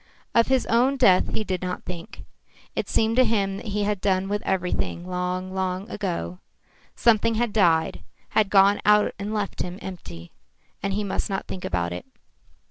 Of his own death he did not think. It seemed to him that he had done with everything long, long ago. Something had died, had gone out and left him empty, and he must not think about it.